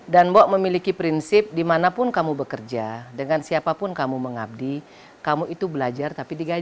bok memiliki prinsip dimanapun kamu bekerja dengan siapapun kamu mengabdi kamu itu belajar tapi diganti